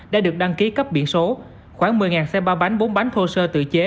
được đăng ký cấp biển số khoảng một mươi xe ba bánh bốn bánh thua sơ tự chế